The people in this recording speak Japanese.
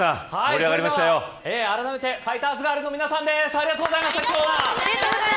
あらためてファイターズガールの皆さんです。